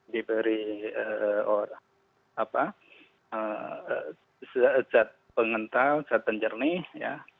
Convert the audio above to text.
diberi jad pengental jad penjernih